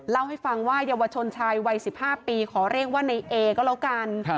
เล่าให้ฟังว่าเยาวชนชายวัย๑๕ปีขอเรียกว่าในเอก็แล้วกัน